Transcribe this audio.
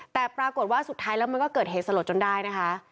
แต่ปรากฏว่าสุดท้ายแล้วมันก็เกิดเหตุสลดจนได้นะคะ